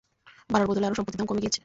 বাড়ার বদলে আরো সম্পত্তির দাম কমে গিয়েছে।